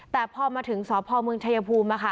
แต่พอมาถึงสพเมืองชัยภูมิมาค่ะ